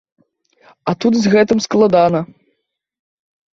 А тут з гэтым складана.